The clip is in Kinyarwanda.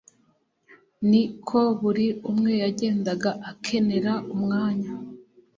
ni ko buri umwe yagendaga akenera umwanya